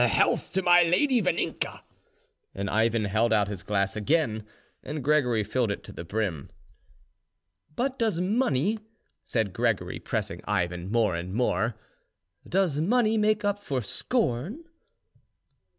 A health to my lady Vaninka!" And Ivan held out his glass again, and Gregory filled it to the brim. "But does money," said Gregory, pressing Ivan more and more,—"does money make up for scorn?"